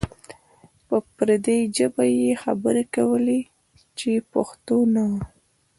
په پردۍ ژبه یې خبرې کولې چې پښتو نه وه.